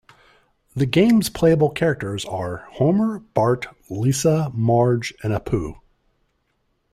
The game's playable characters are Homer, Bart, Lisa, Marge, and Apu.